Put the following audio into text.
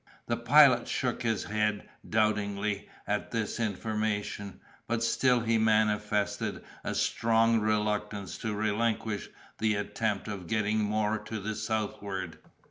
The Pilot shook his head doubtingly at this information, but still he manifested a strong reluctance to relinquish the attempt of getting more to the southward.